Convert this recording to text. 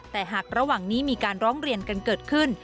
แต่หากระหว่างนี้มีการร้องเรียนกันเกิดขึ้น